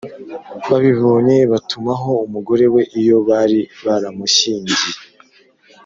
babibonye batumaho umugore we iyo bari baramushyingiye